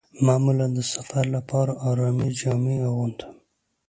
معمولاً د سفر لپاره ارامې جامې اغوندم.